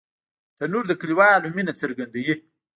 تنور د کلیوالو مینه څرګندوي